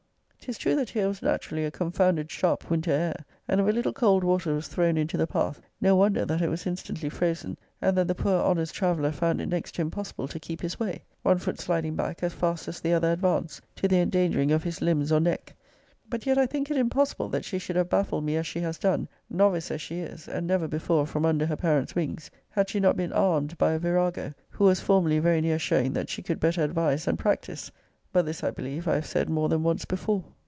'Tis true that here was naturally a confounded sharp winter air; and if a little cold water was thrown into the path, no wonder that it was instantly frozen; and that the poor honest traveller found it next to impossible to keep his way; one foot sliding back as fast as the other advanced, to the endangering of his limbs or neck. But yet I think it impossible that she should have baffled me as she has done (novice as she is, and never before from under her parents' wings) had she not been armed by a virago, who was formerly very near showing that she could better advise than practise. But this, I believe, I have said more than once before.